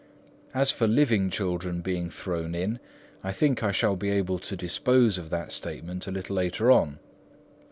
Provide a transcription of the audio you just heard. As for living children being thrown in, I think I shall be able to dispose of that statement a little later on.